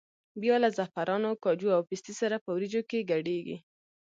بیا له زعفرانو، کاجو او پستې سره په وریجو کې ګډېږي.